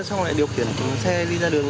xong lại điều khiển xe đi ra đường